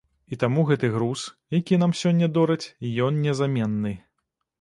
І таму гэты груз, які нам сёння дораць, ён незаменны.